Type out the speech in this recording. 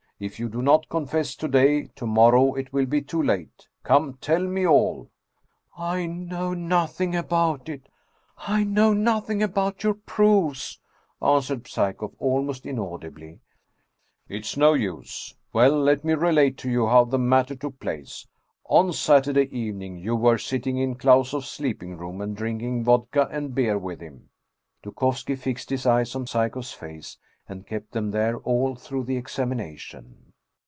If you do not confess to day, to morrow it will be too late. Come, tell me all "" I know nothing about it. I know nothing about your proofs/' answered Psyekoff, almost inaudibly. " It's no use ! Well, let me relate to you how the matter took place. On Saturday evening you were sitting in Klausoff's sleeping room, and drinking vodka and beer with him." (Dukovski fixed his eyes on Psyekoff's face, and kept them there all through the examination.)